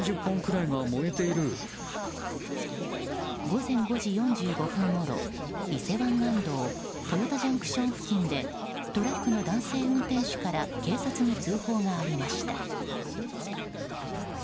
午前５時４５分ごろ伊勢湾岸道豊田ＪＣＴ付近でトラックの男性運転手から警察に通報がありました。